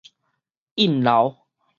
濥流